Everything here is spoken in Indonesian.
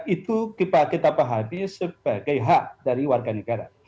itu kita pahami sebagai hak dari warga negara